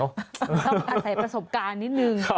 ต้องอาศัยประสบการณ์นิดนึง